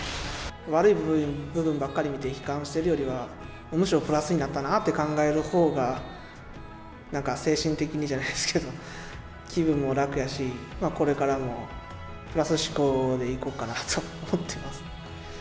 悪い部分ばっかり見て悲観しているよりはむしろプラスになったなって考える方が何か精神的にじゃないですけど気分も楽やしこれからもプラス思考でいこうかなと思ってます。